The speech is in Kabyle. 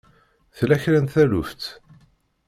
Tella kra n taluft?